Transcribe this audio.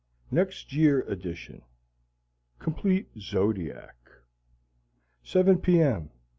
Next Year Edition Complete zodiac 7 P. M.